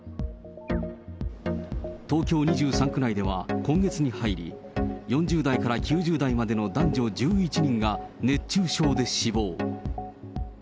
東京２３区内では今月に入り４０代から９０代までの男女１１人が熱中症で死亡。